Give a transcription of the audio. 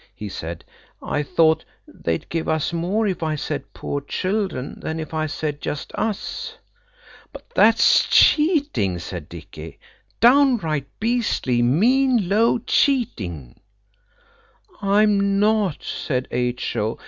He said– "I thought they'd give us more if I said poor children than if I said just us." "That's cheating," said Dicky–"downright beastly, mean, low cheating." "I'm not," said H.O.